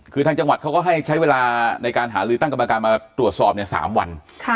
คือทางจังหวัดเขาก็ให้ใช้เวลาในการหาลือตั้งกรรมการมาตรวจสอบ๓วัน